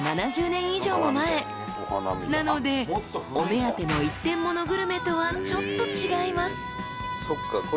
［なのでお目当ての一点モノグルメとはちょっと違います］